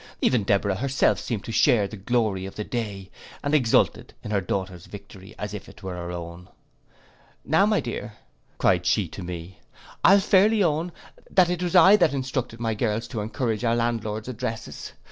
Even Deborah herself seemed to share the glory of the day, and exulted in her daughter's victory as if it were her own. 'And now, my dear,' cried she to me, 'I'll fairly own, that it was I that instructed my girls to encourage our landlord's addresses.